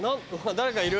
誰かいる。